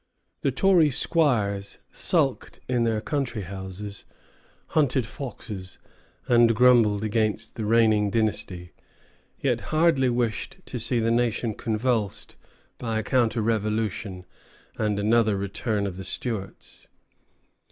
The Troy squires sulked in their country houses, hunted foxes, and grumbled against the reigning dynasty; yet hardly wished to see the nation convulsed by a counter revolution and another return of the Stuarts.